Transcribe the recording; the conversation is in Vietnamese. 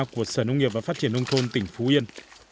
của sở nông nghiệp và phát triển nông thôn tỉnh phú yên